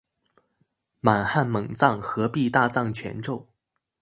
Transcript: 滿漢蒙藏合璧大藏全咒